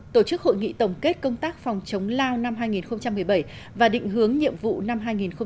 tổ chức hội nghị tổng kết công tác phòng chống lao năm hai nghìn một mươi bảy và định hướng nhiệm vụ năm hai nghìn một mươi chín